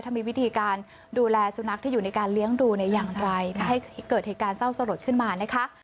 ถ้ามีวิธีการดูแลสุนัขที่อยู่ในการเลี้ยงดูเนี่ยอย่างไรไม่ให้เกิดเหตุการณ์เศร้าสลดขึ้นมานะคะ